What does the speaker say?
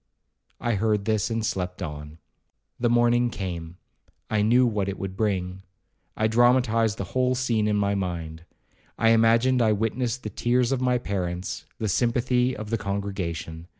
I heard this, and slept on. The morning came—I knew what it would bring—I dramatized the whole scene in my own mind. I imagined I witnessed the tears of my parents, the sympathy of the congregation.